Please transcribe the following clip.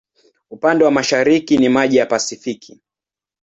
Upande wa mashariki ni maji ya Pasifiki.